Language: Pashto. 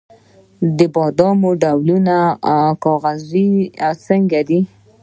د بادامو ډولونه کاغذي او سنګي دي.